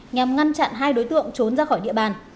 nhằm ngăn chặn hai đối tượng trốn ra khỏi địa bàn